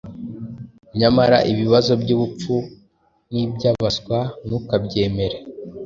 Nyamara ibibazo by’ubupfu n’iby’abaswa ntukabyemere